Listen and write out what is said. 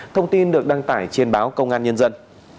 thông tin được đăng tải trên báo công an nhân dân